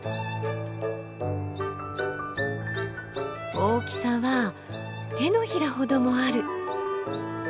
大きさは手のひらほどもある！